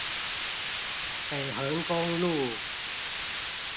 北橫公路